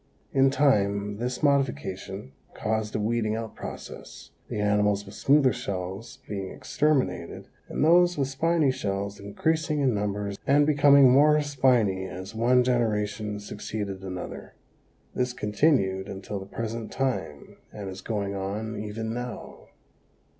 In time this modification caused a weeding out process, the animals with smoother shells being exterminated and those with spiny shells increasing in numbers and becoming more spiny as one generation succeeded another. This continued until the present time and is going on even now.